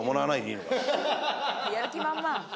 やる気満々。